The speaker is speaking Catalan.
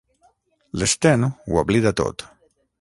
L'Sten ho oblida tot.